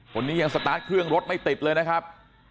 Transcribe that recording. คนนี้ยังสตาร์ทเครื่องรถไม่ติดเลยนะครับ